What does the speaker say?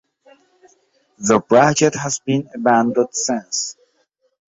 The project has been abandoned since.